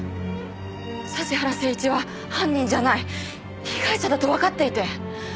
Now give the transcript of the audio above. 桟原誠一は犯人じゃない被害者だとわかっていて。